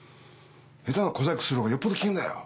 下手な小細工するほうがよっぽど危険だよ！